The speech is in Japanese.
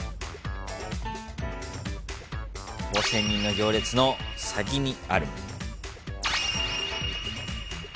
５，０００人の行列の先にあるもの。